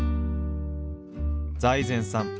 財前さん